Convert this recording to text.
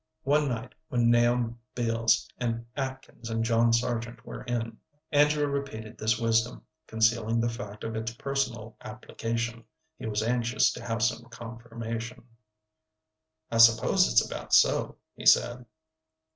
One night when Nahum Beals and Atkins and John Sargent were in, Andrew repeated this wisdom, concealing the fact of its personal application. He was anxious to have some confirmation. "I suppose it's about so," he said.